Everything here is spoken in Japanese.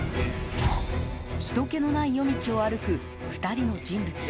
ひとけのない夜道を歩く２人の人物。